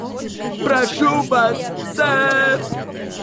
Прошу вас, сэр.